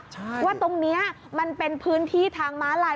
ใช่ว่าตรงนี้มันเป็นพื้นที่ทางม้าลาย